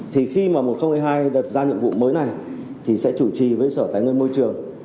thì khi mà một nghìn hai mươi hai đặt ra nhiệm vụ mới này thì sẽ chủ trì với sở tài nguyên môi trường